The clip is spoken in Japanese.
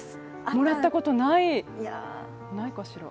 もらったことないないかしら？